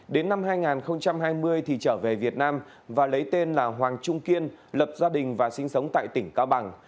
đến năm hai nghìn hai mươi thì trở về việt nam và lấy tên là hoàng trung kiên lập gia đình và sinh sống tại tỉnh cao bằng